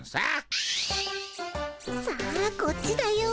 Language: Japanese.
さあこっちだよ。